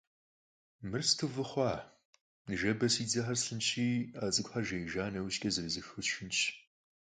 Мыр сыту фӀы хъуа! Ныжэбэ си дзэхэр слъынщи, а цӀыкӀухэр жеижа нэужькӀэ, зэрызыххэу сшхынщ.